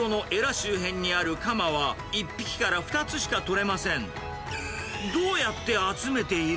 周辺にあるカマは、１匹から２つしか取れません。